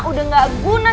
udah gak guna